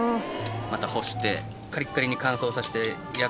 また干してカリッカリに乾燥させたやつを食べる。